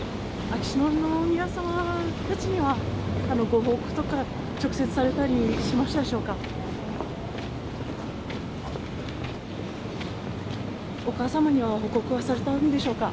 秋篠宮さまたちにはご報告とか、直接されたりしましたでしょうか。